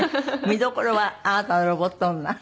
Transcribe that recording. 見どころはあなたのロボット女？